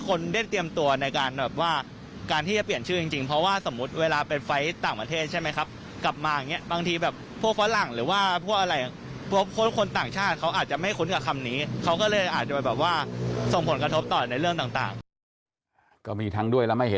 คนได้เตรียมตัวในการแบบว่าการที่จะเปลี่ยนชื่อจริงจริงเพราะว่าสมมุติเวลาเป็นไฟล์ต่างประเทศใช่ไหมครับกลับมาอย่างเงี้บางทีแบบพวกฝรั่งหรือว่าพวกอะไรพวกคนต่างชาติเขาอาจจะไม่คุ้นกับคำนี้เขาก็เลยอาจจะแบบว่าส่งผลกระทบต่อในเรื่องต่างก็มีทั้งด้วยแล้วไม่เห็น